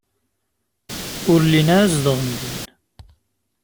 Ur llin ara zedɣen din.